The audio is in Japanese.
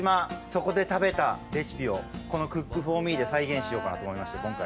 そこで食べたレシピをこのクックフォーミーで再現しようかなと思いまして今回。